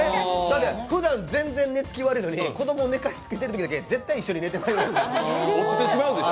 ふだん全然寝つき悪いのに、子供を寝かしつけているときだけ絶対一緒に寝てまうでしょ。